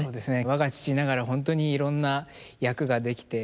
我が父ながら本当にいろんな役ができて。